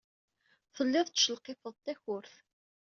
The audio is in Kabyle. Tellid tettcelqifed-d takurt.